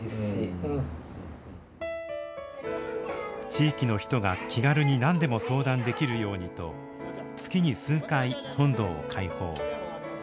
地域の人が気軽に何でも相談できるようにと月に数回本堂を開放。